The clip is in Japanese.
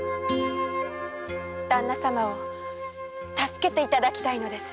旦那様を助けて頂きたいのです。